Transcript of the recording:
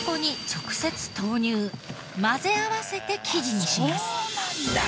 混ぜ合わせて生地にします。